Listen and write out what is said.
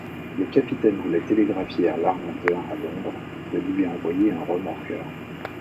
Le capitaine voulait télégraphier à l'armateur à Londres de lui envoyer un remorqueur.